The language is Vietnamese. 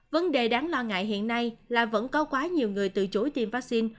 vấn đề đáng lo ngại hiện nay là vẫn có quá nhiều người từ chối tiêm vaccine